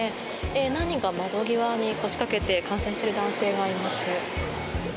何人か窓際に腰かけて観戦している男性がいます。